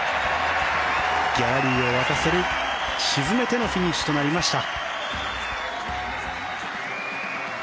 ギャラリーを沸かせる沈めてのフィニッシュとなりました。